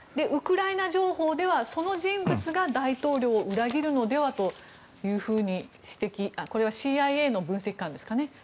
ウクライナ情報ではその人物が大統領を裏切るのではというふうにこれはＣＩＡの分析官ですかね